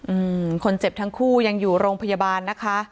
อืมคนเจ็บทั้งคู่ยังอยู่โรงพยาบาลนะคะ